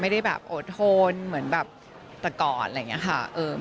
ไม่ได้แบบโอดทนเหมือนแบบแต่ก่อนอะไรอย่างนี้ค่ะ